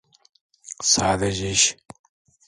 Sadece iş.